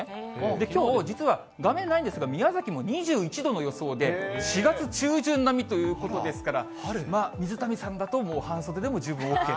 きょう、実は画面ないんですが、宮崎も２１度の予想で４月中旬並みということですから、水谷さんだともう半袖でも十分ＯＫと。